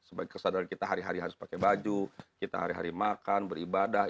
sebagai kesadaran kita hari hari harus pakai baju kita hari hari makan beribadah